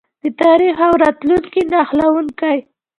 د تاریخ او راتلونکي نښلونکی.